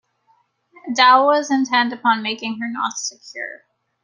Adele was intent upon making her knots secure.